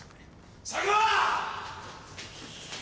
佐久間！